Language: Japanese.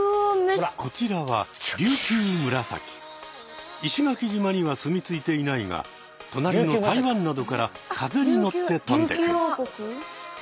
こちらは石垣島にはすみついていないがとなりの台湾などから風に乗って飛んでくる。